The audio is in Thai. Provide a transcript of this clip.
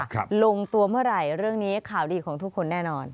ลงตัวเมื่อไหร่เรื่องนี้ข่าวดีของทุกคนแน่นอน